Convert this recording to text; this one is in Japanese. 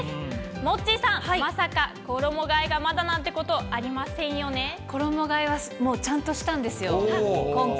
モッチーさん、まさか衣がえがま衣がえは、もうちゃんとしたんですよ、今回。